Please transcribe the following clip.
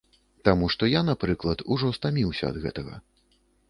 Таму што я, напрыклад, ужо стаміўся ад гэтага.